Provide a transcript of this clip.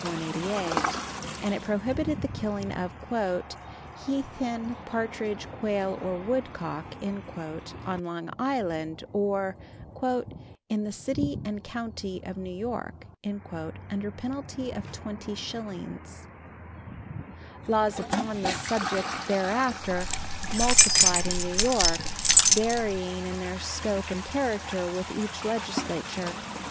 188), and it prohibited the killing of "heath hen, partridge, quail or woodcock" on Long Island, or "in the city and county of New York," under penalty of twenty shillings. Laws upon this subject thereafter multiplied in New York, varying in their scope and character with every Legislature.